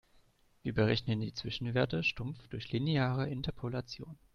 Wir berechnen die Zwischenwerte stumpf durch lineare Interpolation.